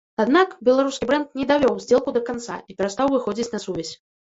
Аднак беларускі брэнд не давёў здзелку да канца, і перастаў выходзіць на сувязь.